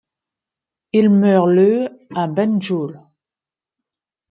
Il meurt le à Banjul.